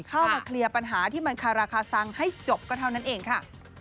เข้ามาเคลียร์ปัญหาที่มันคาราคาซังให้จบก็เท่านั้นเองค่ะ